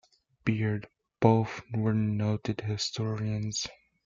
Beard; both were noted historians.